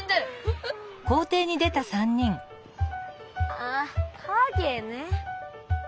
あっかげね。